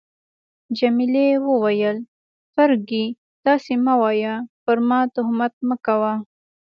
جميلې وويل: فرګي، داسي مه وایه، پر ما تهمت مه کوه.